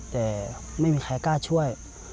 แต่ไม่มีใครกล้าช่วย